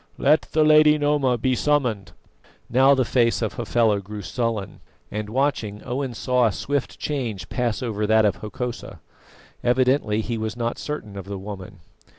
Let the Lady Noma be summoned." Now the face of Hafela grew sullen, and watching, Owen saw a swift change pass over that of Hokosa. Evidently he was not certain of the woman.